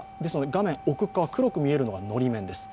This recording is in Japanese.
画面奥側黒く見えるのがのり面です。